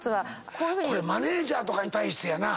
これマネージャーとかに対してやな。